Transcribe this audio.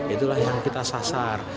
itulah yang kita sasar